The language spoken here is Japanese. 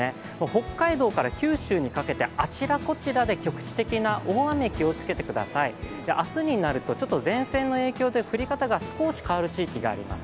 北海道から九州にかけてあちらこちらで局地的な大雨、気をつけてください、明日になると、前線の影響で降り方が少し変わる地域があります。